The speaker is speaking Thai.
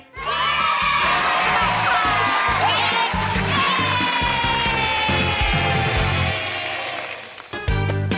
เย้